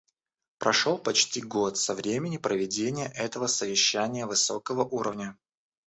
Прошел почти год со времени проведения этого совещания высокого уровня.